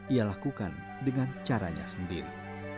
ia lakukan dengan caranya sendiri